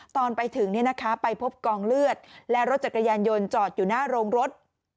ตอนไปถึงไปพบกองเลือดและรถจักรยานยนต์จอดอยู่หน้าโรงรถ